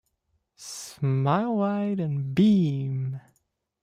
Smile wide and beam.